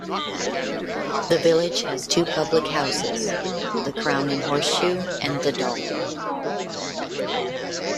The village has two public houses: "The Crown and Horseshoe", and "The Dolphin".